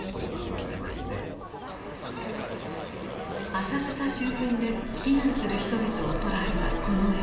浅草周辺で避難する人々を捉えたこの映像。